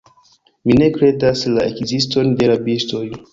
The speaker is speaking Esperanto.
Mi ne kredas la ekziston de rabistoj.